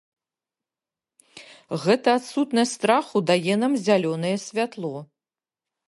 Гэта адсутнасць страху дае нам зялёнае святло.